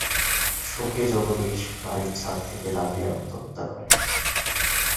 শোকে জগদীশ বাড়ীর ছাদ থেকে লাফিয়ে আত্মহত্যা্ করে।